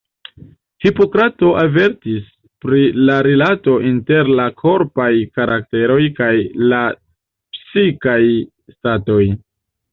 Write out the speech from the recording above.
Hipokrato avertis pri la rilato inter la korpaj karakteroj kaj la psikaj statoj.